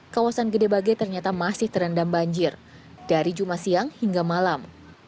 kawasan gede bage ternyata masih terendam banjir dari jumat siang hingga malam